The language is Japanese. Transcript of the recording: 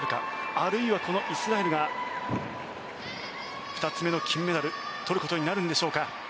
あるいはこのイスラエルが２つ目の金メダル取ることになるんでしょうか。